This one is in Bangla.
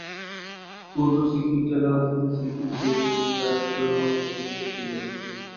পূর্ব সিকিম জেলা অতীতে সিকিম দেশীয় রাজ্যের অন্তর্ভুক্ত ছিল।